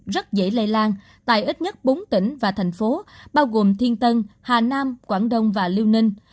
rất dễ lây lan tại ít nhất bốn tỉnh và thành phố bao gồm thiên tân hà nam quảng đông và liêu ninh